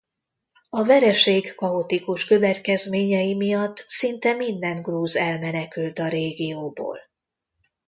A vereség kaotikus következményei miatt szinte minden grúz elmenekült a régióból.